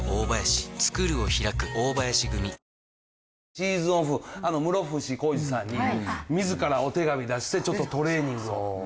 シーズンオフ室伏広治さんに自らお手紙出してちょっとトレーニングを。